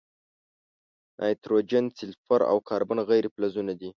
نایتروجن، سلفر، او کاربن غیر فلزونه دي.